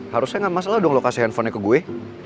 harusnya gak masalah dong loh kasih handphonenya ke gue